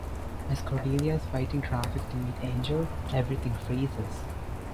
As Cordelia is fighting traffic to meet Angel, everything freezes.